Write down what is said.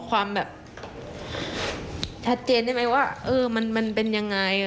ความแบบชัดเจนได้ไหมว่ามันเป็นยังไง